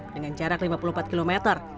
dengan jarak lima puluh empat km